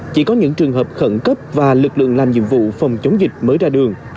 chỉ có những trường hợp khẩn cấp và lực lượng làm nhiệm vụ phòng chống dịch mới ra đường